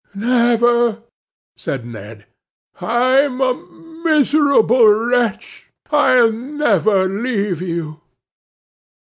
'Never,' said Ned. 'I'm a miserable wretch. I'll never leave you.